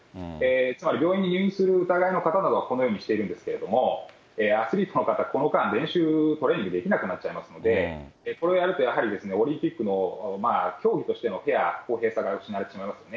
つまり病院に入院する疑いの方などはこのようにしているんですけれども、アスリートの方、この間、練習、トレーニングできなくなっちゃいますので、これをやるとやはり、オリンピックの競技としてのフェア、公平さが失われてしまいますよね。